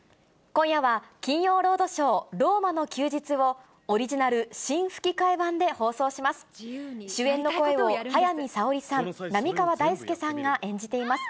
今夜は金曜ロードショー、ローマの休日を、オリジナル新吹き替え版で放送します。